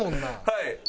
はい。